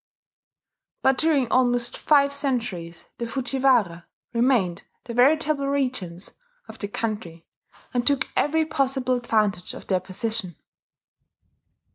But during almost five centuries the Fujiwara remained the veritable regents of the country, and took every possible advantage of their position.